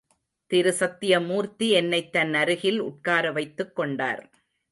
திரு சத்யமூர்த்தி என்னைத் தன் அருகில் உட்கார வைத்துக் கொண்டார்.